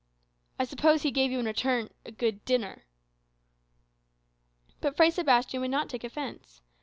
"I suppose he gave you in return a good dinner." But Fray Sebastian would not take offence.